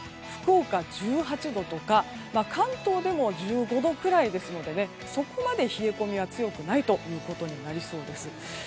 福岡１８度とか関東でも１５度くらいですのでそこまで冷え込みは強くないということになりそうです。